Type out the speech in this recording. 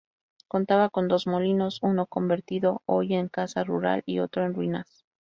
Contaba con dos molinos, uno convertido hoy en casa rural y otro en ruinas.